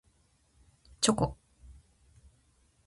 チョコ